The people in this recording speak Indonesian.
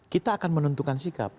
kita akan menentukan sikap